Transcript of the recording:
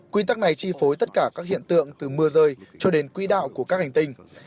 quy tắc này chi phối tất cả các hiện tượng từ mưa rơi cho đến quỹ đạo của các hành tinh